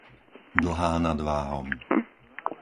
Dlhá nad Váhom